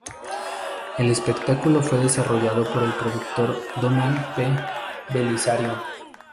El espectáculo fue desarrollado por el productor Donald P. Bellisario.